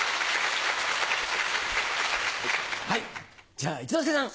じゃあ一之輔さん。